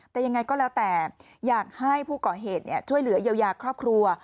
แต่ยังไงก็แล้วแต่อยากให้ผู้ก่อเหตุช่วยเหลือเยียวยาครอบครัว